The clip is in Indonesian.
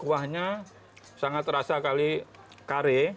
kuahnya sangat terasa kali kare